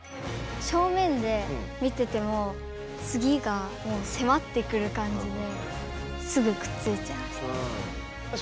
正面で見ててもつぎがせまってくるかんじですぐくっついちゃいました。